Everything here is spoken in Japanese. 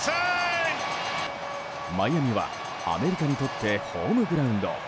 マイアミはアメリカにとってホームグラウンド。